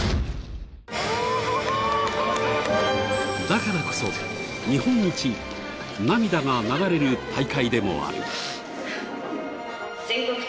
だからこそ、日本一涙が流れる大会でもある。